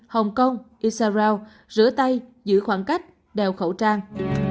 hong kong israel rửa tay giữ khoảng cách đeo khẩu trang